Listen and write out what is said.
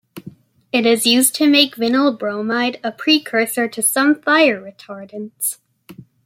It is used to make vinyl bromide, a precursor to some fire retardants.